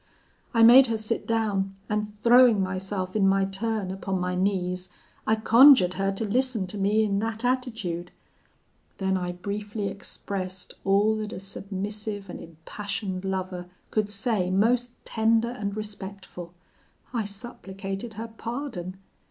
"I made her sit down, and throwing myself, in my turn, upon my knees, I conjured her to listen to me in that attitude. Then I briefly expressed all that a submissive and impassioned lover could say most tender and respectful. I supplicated her pardon.